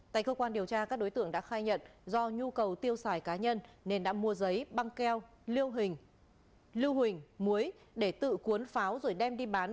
tại cơ quan điều tra các đối tượng đã khai nhận do nhu cầu tiêu xài cá nhân nên đã mua giấy băng keo lưu hình lưu huỳnh muối để tự cuốn pháo rồi đem đi bán